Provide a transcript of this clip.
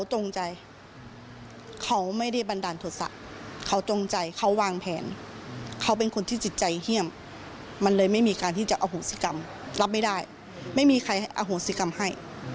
อโหดศิกรรมรับไม่ได้ไม่มีใครอโหดศิกรรมให้